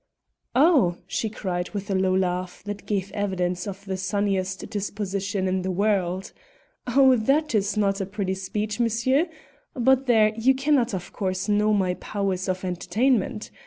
"Oh!" she cried with a low laugh that gave evidence of the sunniest disposition in the world "Oh! that is not a pretty speech, monsieur! But there! you cannot, of course, know my powers of entertainment.